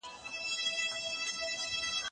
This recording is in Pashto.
زه به شګه پاکه کړې وي؟!